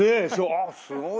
ああすごい。